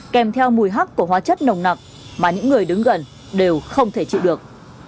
kèm theo mùi hắc của hóa chất nồng nặc mà những người đứng gần đều không thể chịu được